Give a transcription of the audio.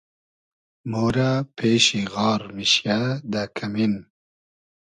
مورۂ پېشی غار میشیۂ دۂ کئمین